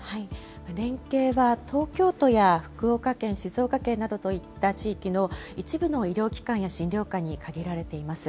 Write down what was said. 連携は東京都や福岡県、静岡県などといった地域の一部の医療機関や診療科に限られています。